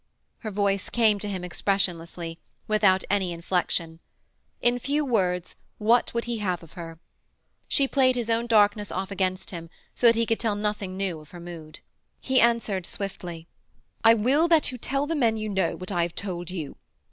Her voice came to him expressionlessly without any inflexion. In few words, what would he have of her? She played his own darkness off against him, so that he could tell nothing new of her mood. He answered swiftly: 'I will that you tell the men you know what I have told you.